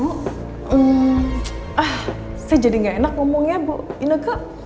eeeh ah saya jadi gak enak ngomongnya bu ineke